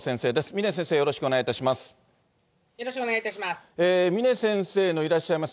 峰先生、よろしくお願いいたします。